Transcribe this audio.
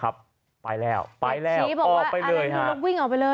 ไปแล้วออกไปเลยครับ